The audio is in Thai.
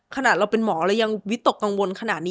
ขนาดเราเป็นหมอเรายังวิตกกังวลขนาดนี้